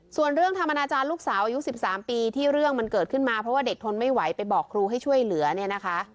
ส่วนเรื่องทำอนาจารย์ลูกสาวอายุ๑๓ปีที่เรื่องมันเกิดขึ้นมาเพราะว่าเด็กทนไม่ไหวไปบอกครูให้ช่วยเหลือเนี่ยนะคะ